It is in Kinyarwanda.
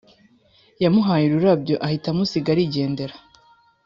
yamuhaye ururabyo ahita amusiga arigendera